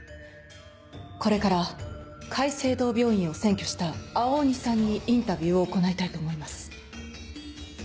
これから界星堂病院を占拠した青鬼さんにインタビューを行いたいと思います。